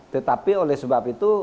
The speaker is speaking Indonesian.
tetapi oleh sebab itu